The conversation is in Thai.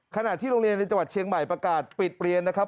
ขณะที่โรงเรียนในจังหวัดเชียงใหม่ประกาศปิดเรียนนะครับ